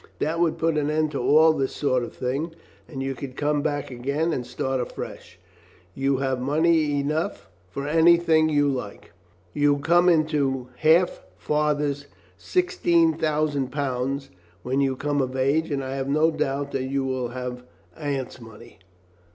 That would put an end to all this sort of thing, and you could come back again and start afresh. You will have money enough for anything you like. You come into half father's £16,000 when you come of age, and I have no doubt that you will have Aunt's money."